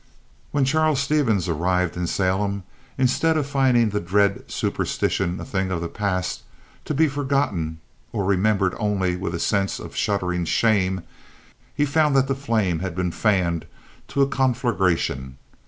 When Charles Stevens arrived in Salem, instead of finding the dread superstition a thing of the past, to be forgotten or remembered only with a sense of shuddering shame, he found that the flame had been fanned to a conflagration.